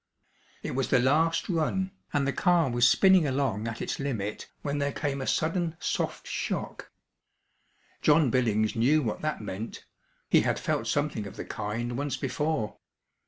It was the last run, and the car was spinning along at its limit, when there came a sudden soft shock. John Billings knew what that meant. He had felt something of the kind once before.